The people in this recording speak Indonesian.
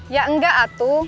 ya enggak atu